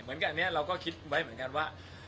เหมือนกันอันเนี่ยเราก็คิดไว้เหมือนกันว่า